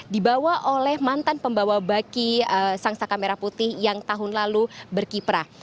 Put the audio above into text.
dibawa oleh mantan pembawa baki sang saka merah putih yang tahun lalu berkiprah